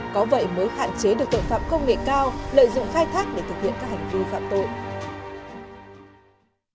có vậy mới hạn chế được tội phạm công nghệ cao lợi dụng khai thác để thực hiện các hành vi phạm tội